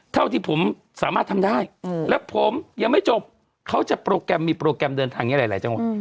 เท่าที่ผมสามารถทำได้และผมยังไม่จบเขาจะโปรแกรมมีโปรแกรมเดินทางนี้หลายจังหวัด